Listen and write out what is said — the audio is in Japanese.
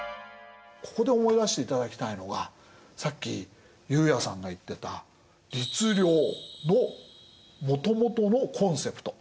ここで思い出していただきたいのがさっき悠也さんが言ってた律令のもともとのコンセプト。